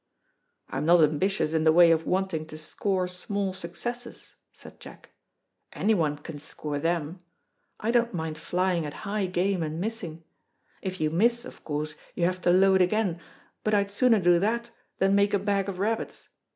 "I'm not ambitious in the way of wanting to score small successes," said Jack. "Anyone can score them. I don't mind flying at high game and missing. If you miss of course you have to load again, but I'd sooner do that than make a bag of rabbits.